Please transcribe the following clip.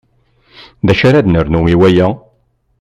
D acu ara ad nernu i waya?